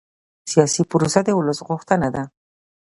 سیاسي پروسه د ولس غوښتنه ده